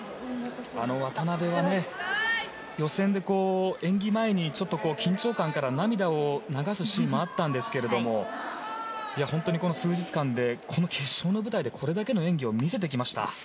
渡部は、予選で演技前に緊張感から涙を流すシーンもありましたが本当にこの数日間でこの決勝の舞台でこれだけの演技を見せてきました。